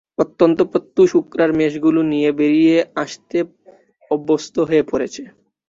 অত্যন্ত প্রত্যুষে উকবার মেষগুলো নিয়ে বেরিয়ে পড়তে অভ্যস্ত হয়ে পড়েছে।